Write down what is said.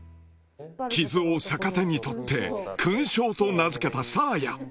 傷を逆手にとって勲章と名付けたサーヤ。